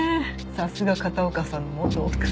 さすが片岡さんの元奥さん。